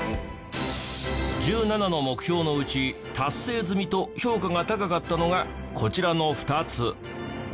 １７の目標のうち達成済みと評価が高かったのがこちらの２つ。